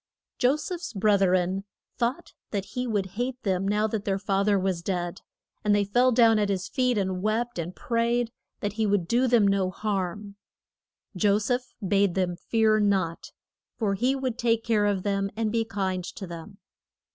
Jo seph's breth ren thought that he would hate them now that their fath er was dead. And they fell down at his feet and wept and prayed that he would do them no harm. Jo seph bade them fear not, for he would take care of them and be kind to them.